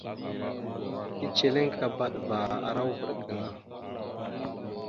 Eceleŋkaba dəva ara uvaɗ gaŋa.